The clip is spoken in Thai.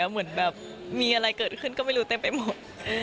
เหมือนแบบมีอะไรเกิดขึ้นก็ไม่รู้เต็มไปหมด